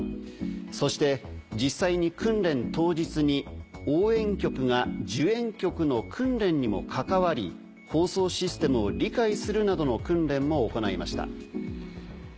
そして実際に訓練当日に応援局が受援局の訓練にも関わり放送システムを理解するなどの訓練も行いました。